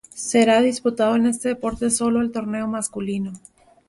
Será disputado en este deporte solo el torneo masculino.